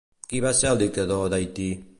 Qui va ser el dictador d'Haití?